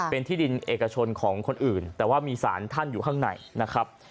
เป็นที่ดินเอกชนของคนอื่นแต่ว่ามีสารท่านอยู่ข้างในนะครับ